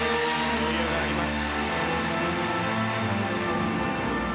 余裕があります。